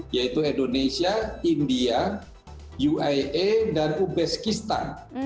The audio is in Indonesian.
yaitu indonesia india uia dan ubeskistan